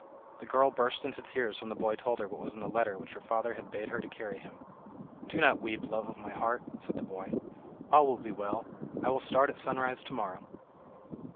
The girl burst into tears when the boy told her what was in the letter which her father had bade her to carry to him. "Do not weep, love of my heart," said the boy, "all will be well. I will start at sunrise to morrow."